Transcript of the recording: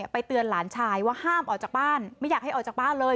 เตือนหลานชายว่าห้ามออกจากบ้านไม่อยากให้ออกจากบ้านเลย